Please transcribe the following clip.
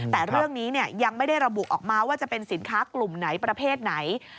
แต่เรื่องนี้ยังไม่ได้ระบุออกมาว่าจะเป็นสินค้ากลุ่มไหนประเภทไหน